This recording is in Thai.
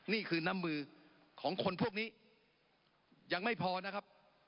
นี่คือน้ำมือของคนพวกนี้ยังไม่พอนะครับ